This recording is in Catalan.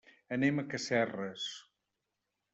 Anem a Casserres.